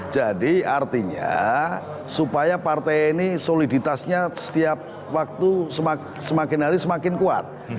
jadi artinya supaya partai ini soliditasnya setiap waktu semakin hari semakin kuat